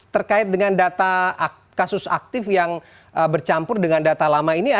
terkait dengan data kasus aktif yang bercampur dengan data lama ini